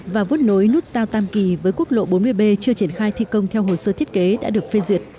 và vứt nối nút giao tam kỳ với quốc lộ bốn mươi b chưa triển khai thi công theo hồ sơ thiết kế đã được phê duyệt